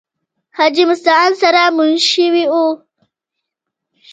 حاجې مستعان سره منشي وو ۔